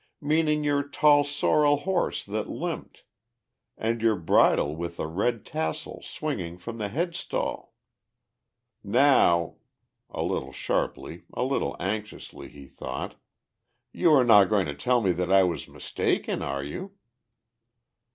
meaning your tall sorrel horse that limped, and your bridle with the red tassel swinging from the headstall! Now," a little sharply, a little anxiously, he thought, "you are not going to tell me that I was mistaken, are you?"